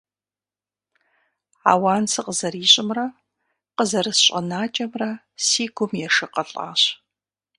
Ауан сыкъызэрищӀымрэ къызэрысщӀэнакӀэмрэ си гум ешыкъылӀащ.